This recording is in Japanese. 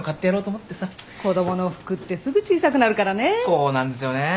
そうなんですよね。